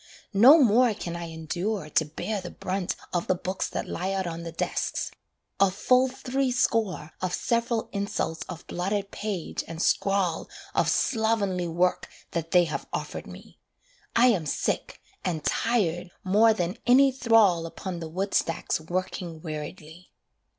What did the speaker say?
No more can I endure to bear the brunt Of the books that lie out on the desks: a full three score Of several insults of blotted page and scrawl Of slovenly work that they have offered me. I am sick, and tired more than any thrall Upon the woodstacks working weariedly.